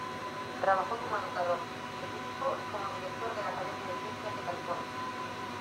Trabajó como educador, científico y como director de la Academia de Ciencias de California.